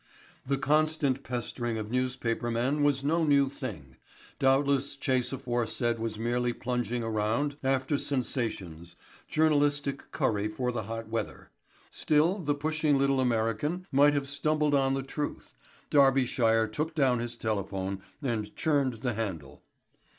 The constant pestering of newspaper men was no new thing. Doubtless Chase aforesaid was merely plunging around after sensations journalistic curry for the hot weather. Still, the pushing little American might have stumbled on the truth. Darbyshire took down his telephone and churned the handle.